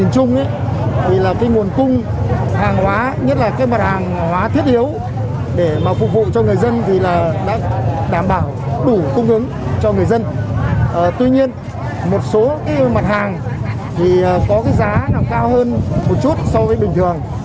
có cái giá nào cao hơn một chút so với bình thường